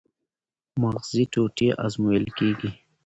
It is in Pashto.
مغزي ټوټې ازمویل کېږي.